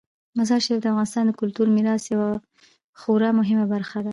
مزارشریف د افغانستان د کلتوري میراث یوه خورا مهمه برخه ده.